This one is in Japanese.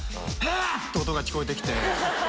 って音が聞こえて来て。